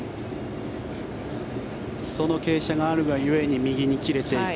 その傾斜があるが故に右に切れていく。